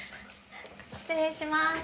失礼します。